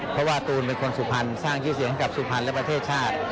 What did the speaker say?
เพราะว่าตูนเป็นคนสุพรรณสร้างชื่อเสียงให้กับสุพรรณและประเทศชาติ